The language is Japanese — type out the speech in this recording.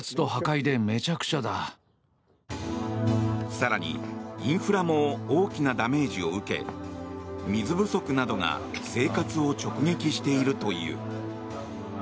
更にインフラも大きなダメージを受け水不足などが生活を直撃しているという。